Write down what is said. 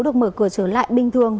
được mở cửa trở lại bình thường